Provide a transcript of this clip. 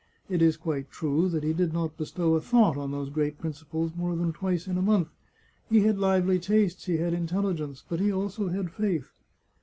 It is quite true that he did not bestow a thought on those great principles more than twice in a month. He had lively tastes, he had intelli gence, but he also had faith.